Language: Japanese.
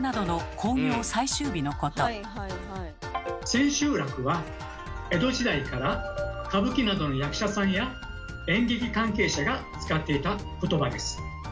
「千秋楽」は江戸時代から歌舞伎などの役者さんや演劇関係者が使っていた言葉です。